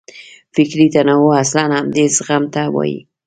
فکري تنوع اصلاً همدې زغم ته وایي.